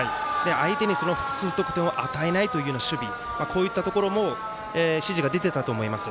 相手に複数得点を与えないという守備というところも指示が出ていたと思います。